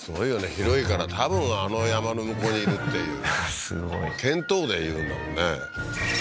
広いから多分あの山の向こうにいるっていうすごい見当で言うんだもんね